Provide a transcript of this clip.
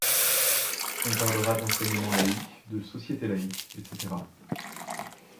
On parlera d'enseignement laïque, de société laïque, etc.